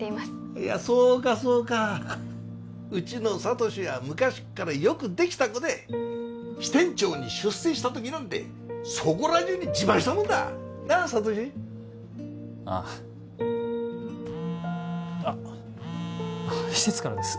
いやそうかそうかうちの智志は昔っからよくできた子で支店長に出世した時なんてそこらじゅうに自慢したもんだなあ智志あああっ施設からです